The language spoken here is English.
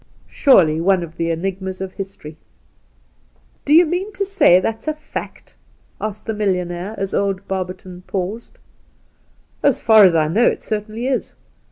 Surely, one of the enigmas of history !'' Do you mean to say that's a fact ?' asked the millionaire, as old Barberton paused. ' As far as I know, it certainly is.